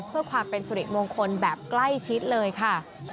เพื่อความเป็นสุริมงคลแบบใกล้ชิดเลยค่ะ